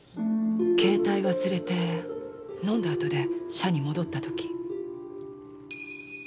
携帯忘れて飲んだ後で社に戻ったとき。